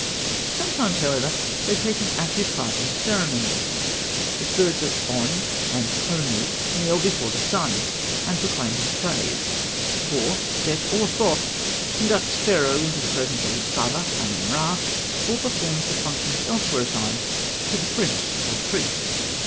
Sometimes, however, they take an active part in the ceremonies. The spirits of On and Khonû kneel before the sun, and proclaim his praise. Hor, Set, or Thoth conducts Pharaoh into the presence of his father Amen Ra, or performs the functions elsewhere assigned to the prince or the priest.